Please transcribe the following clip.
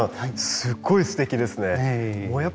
すごいすてきですね。